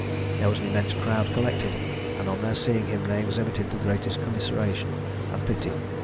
There was an immense crowd collected, and on their seeing him they exhibited the greatest commiseration and pity.